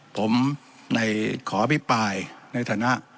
ผมขออภิปรายในฐานะ